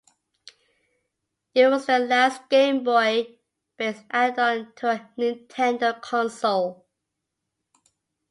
It was the last Game Boy-based add-on to a Nintendo console.